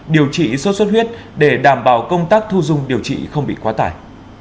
điều trị sốt xuất huyết để đảm bảo công tác thu dung điều trị không bị quá tải